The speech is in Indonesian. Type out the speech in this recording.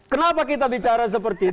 kenapa kita bicara seperti itu